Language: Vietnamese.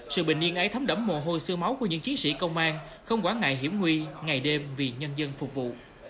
sự bình yên ấy thấm đẫm mồ hôi sư máu của những chiến sĩ công an không quán ngại hiểm nguy ngày đêm vì nhân dân phục vụ